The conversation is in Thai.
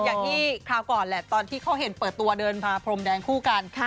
คราวก่อนแหละตอนที่เขาเห็นเปิดตัวเดินพาพรมแดงคู่กัน